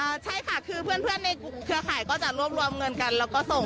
ใช่ค่ะคือเพื่อนเพื่อนในเครือข่ายก็จะรวบรวมเงินกันแล้วก็ส่ง